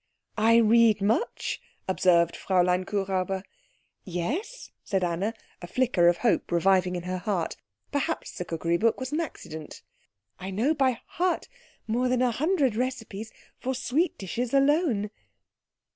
"I read much," observed Fräulein Kuhräuber. "Yes?" said Anna, a flicker of hope reviving in her heart. Perhaps the cookery book was an accident. "I know by heart more than a hundred recipes for sweet dishes alone."